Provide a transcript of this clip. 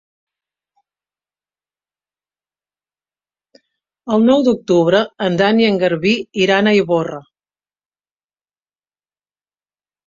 El nou d'octubre en Dan i en Garbí iran a Ivorra.